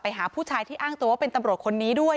หาผู้ชายที่อ้างตัวว่าเป็นตำรวจคนนี้ด้วย